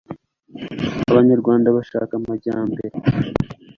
abanyarwanda bashaka amajyambere